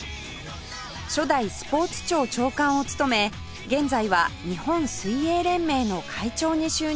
初代スポーツ庁長官を務め現在は日本水泳連盟の会長に就任しています